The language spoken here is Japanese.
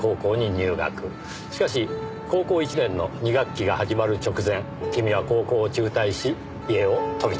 しかし高校１年の２学期が始まる直前君は高校を中退し家を飛び出した。